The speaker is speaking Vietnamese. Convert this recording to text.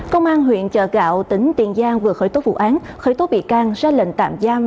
công an huyện chợ gạo tỉnh tiền giang vừa khởi tố vụ án khởi tố bị can ra lệnh tạm giam